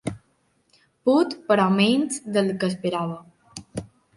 Put, però menys del que esperava.